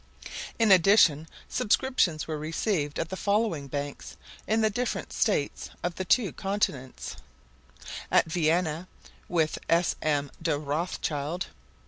In addition, subscriptions were received at the following banks in the different states of the two continents: At Vienna, with S. M. de Rothschild.